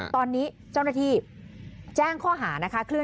ตอนนี้เจ้าหน้าที่แจ้งข้อหานะคะ